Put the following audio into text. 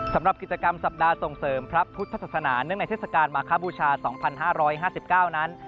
สำหรับกิจกรรมสัปดาห์ส่งเสริมพระพุทธศาสนาเนื่องในเทศกาลมาคบูชา๒๕๕๙นั้น